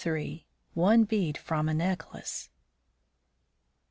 ONE BEAD FROM A NECKLACE.